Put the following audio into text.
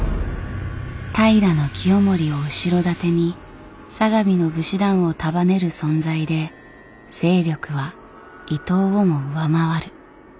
平清盛を後ろ盾に相模の武士団を束ねる存在で勢力は伊東をも上回る。